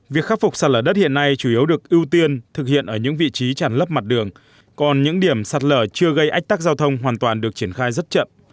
việc khắc phục sạt lở đất hiện nay chủ yếu được ưu tiên thực hiện ở những vị trí tràn lấp mặt đường còn những điểm sạt lở chưa gây ách tắc giao thông hoàn toàn được triển khai rất chậm